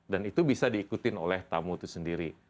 dan itu bisa diikutin oleh tamu itu sendiri